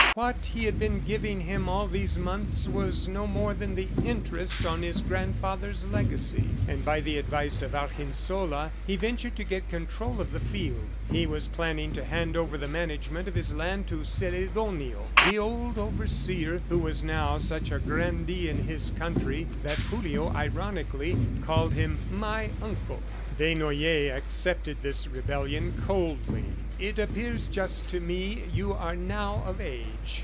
What he had been giving him all these months was no more than the interest on his grandfather's legacy. ... And by the advice of Argensola he ventured to get control of the field. He was planning to hand over the management of his land to Celedonio, the old overseer, who was now such a grandee in his country that Julio ironically called him "my uncle." Desnoyers accepted this rebellion coldly. "It appears just to me. You are now of age!"